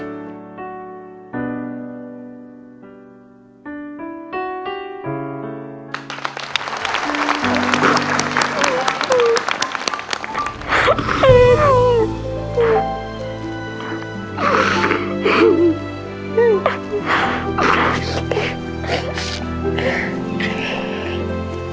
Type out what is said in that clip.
ร้องได้ให้ล้าน